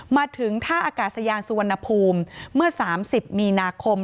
มาถึงท่าอากาศยานสุวรรณภูมิเมื่อ๓๐มีนาคม